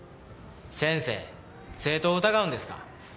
先生生徒を疑うんですか？